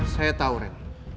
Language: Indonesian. saya tahu rain